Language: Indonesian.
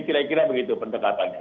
kira kira begitu pendekatannya